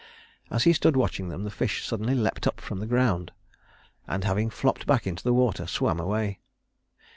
As he stood watching them, the fish suddenly leaped up from the ground; and having flopped back into the water, swam away.